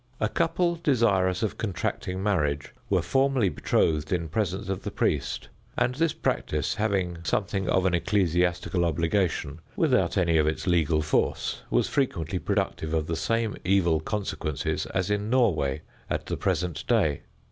A couple desirous of contracting marriage were formally betrothed in presence of the priest, and this practice, having something of an ecclesiastical obligation without any of its legal force, was frequently productive of the same evil consequences as in Norway at the present day.